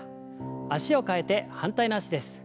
脚を替えて反対の脚です。